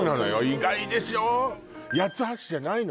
意外でしょ？